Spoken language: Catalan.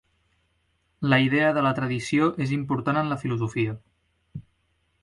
La idea de la tradició és important en la filosofia.